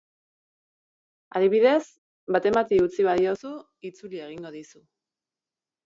Adibidez, baten bati utzi badiozu, itzuli egingo dizu.